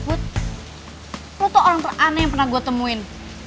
lo tuh orang teraneh yang pernah gue temuin